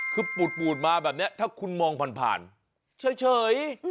คือปูดมาแบบนี้ถ้าคุณมองผ่านเฉย